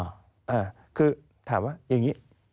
อ่าคือถามว่าอย่างนี้